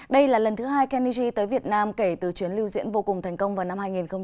đây là lần thứ hai kennedy tới việt nam kể từ chuyến lưu diễn vô cùng thành công vào năm hai nghìn một mươi